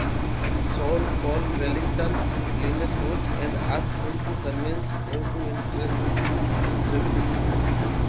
Saul calls Wellington (Linus Roache) and asks him to convince Hayes to intervene.